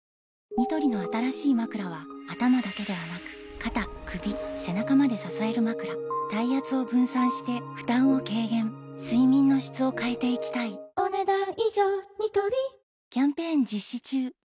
ニトリの新しいまくらは頭だけではなく肩・首・背中まで支えるまくら体圧を分散して負担を軽減睡眠の質を変えていきたいお、ねだん以上。